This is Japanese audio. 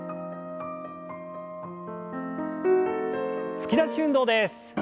突き出し運動です。